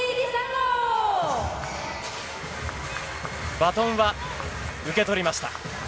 バトンは受け取りました。